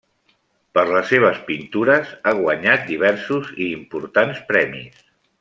Per les seves pintures ha guanyat diversos i importants premis.